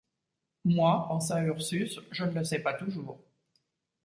Moi, pensa Ursus, je ne le sais pas toujours.